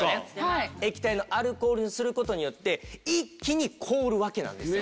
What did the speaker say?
液体のアルコールにする事によって一気に凍るわけなんです。